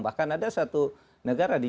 bahkan ada satu negara di